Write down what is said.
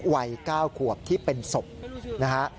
วัย๙ขวบที่เป็นศพนะฮะ